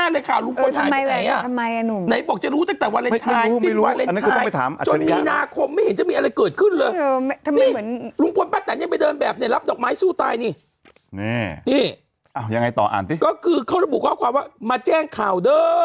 รอเดินแบบช่วงประมาณสักสามทุ่มเอ่อพี่น้องนี่อืมแอดมาแจ้งข่าว